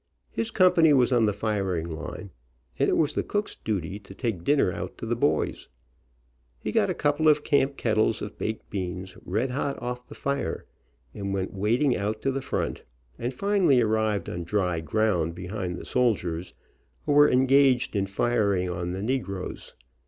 His company was on the firing line, and it was the cook's duty to take dinner out to the boys. He got a couple of camp kettles of baked beans, red hot off the fire, and went wading out to the front, and finally arrived THE SOLDIER AND BRANDING IRON Ig on dry ground, behind the soldiers, who were en gaged in firing on the negroes.